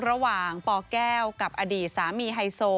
ระหว่างปแก้วกับอดีตสามีไฮโซ